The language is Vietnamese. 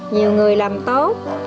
nhiều người làm tốt